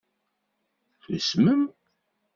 Tusmem?